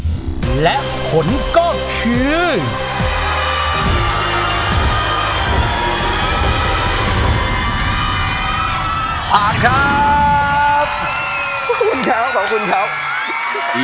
จ้าวรอคอย